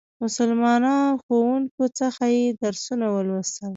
مسلمانو ښوونکو څخه یې درسونه ولوستل.